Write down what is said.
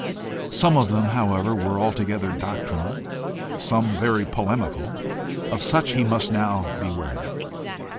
Some of them, however, were altogether doctrinal, some very polemical: of such he must now beware.